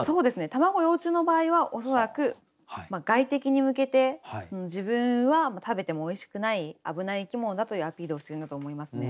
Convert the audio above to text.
卵幼虫の場合は恐らく外敵に向けて自分は食べてもおいしくない危ない生き物だというアピールをしてるんだと思いますね。